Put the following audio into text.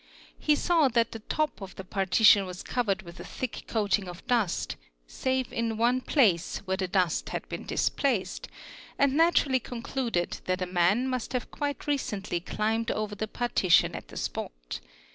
He saw that the top of th partition was covered with a thick coating of dust save in one plac where the dust had been displaced, and naturally concluded that a mai must have quite recently climbed over the partition at the spot.